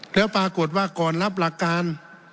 แล้วปรากฏว่าก่อนรับหลักการ